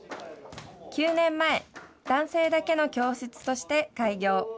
９年前、男性だけの教室として開業。